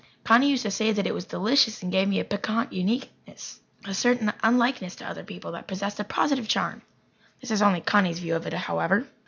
Connie used to say that it was delicious and gave me a piquant uniqueness a certain unlikeness to other people that possessed a positive charm. That is only Connie's view of it, however.